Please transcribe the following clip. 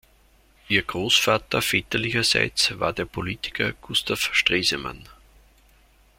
Ihr Großvater väterlicherseits war der Politiker Gustav Stresemann.